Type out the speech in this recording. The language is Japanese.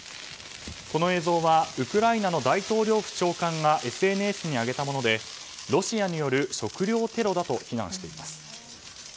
この映像はウクライナの大統領府長官がＳＮＳに上げたものでロシアによる食糧テロだと非難しています。